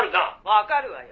「わかるわよ」